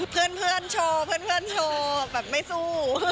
เพื่อนโชว์เพื่อนโชว์แบบไม่สู้